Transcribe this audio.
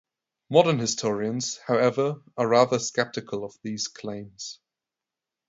Modern historians, however, are rather skeptical of these claims.